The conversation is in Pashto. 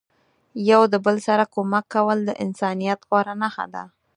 یو د بل سره کومک کول د انسانیت غوره نخښه ده.